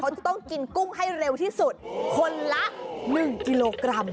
เขาจะต้องกินกุ้งให้เร็วที่สุดคนละ๑กิโลกรัม